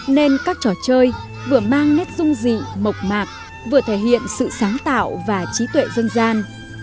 nên các trò chơi vừa mang nét dung dị mộc mạc vừa thể hiện sự sáng tạo và trí tuệ dân gian